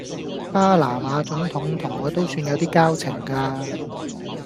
巴拿馬總統同我都算有啲交情㗎